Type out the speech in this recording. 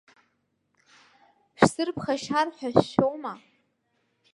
Шәсырԥхашьар ҳәа шәшәома?